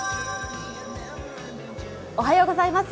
おはようございます。